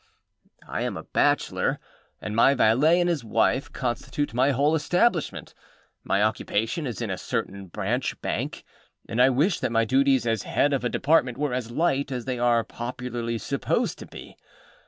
I am a bachelor, and my valet and his wife constitute my whole establishment. My occupation is in a certain Branch Bank, and I wish that my duties as head of a Department were as light as they are popularly supposed to be.